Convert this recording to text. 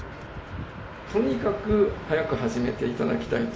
とにかく早く始めていただきたいと。